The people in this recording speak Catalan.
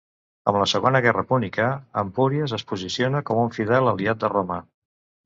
Amb la Segona Guerra púnica, Empúries es posiciona com un fidel aliat de Roma.